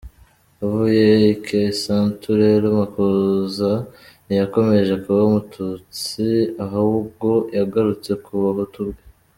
Avuye i Kisantu rero Makuza ntiyakomeje kuba umututsi , ahubwo yagarutse ku buhutu bwe.